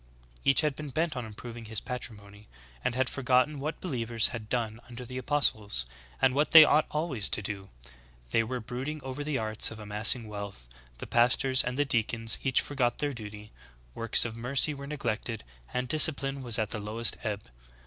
Each had been bent on improving his patri mony ; and had forgotten v/hat believers had done under the apostles, and what they ought always to do :— they were brooding over the arts of amassing wealth :— the pastors and the deacons each forgot their duty: Works of mercy were neglected, and discipline was at the lowest ebb.